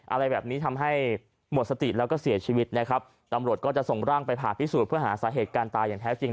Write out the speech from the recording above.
อะไรแบบนี้ทำให้หมดสติแล้วก็เสียชีวิตนะครับตำรวจก็จะส่งร่างไปผ่าพิสูจน์เพื่อหาสาเหตุการณ์ตายอย่างแท้จริง